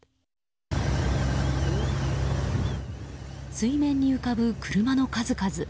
水面に浮かぶ車の数々。